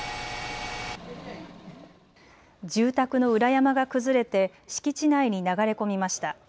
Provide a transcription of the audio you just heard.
住宅の裏山が崩れて敷地内に流れ込みました。